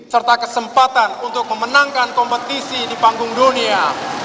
serta kesempatan untuk memenangkan kompetisi di panggung dunia